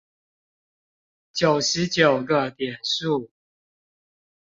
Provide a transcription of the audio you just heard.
九十九個點數